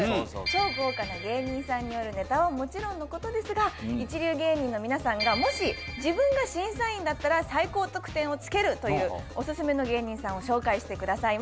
超豪華な芸人さんによるネタはもちろんのことですが一流芸人の皆さんがもし自分が審査員だったら最高得点を付けるというお薦めの芸人さんを紹介してくださいます。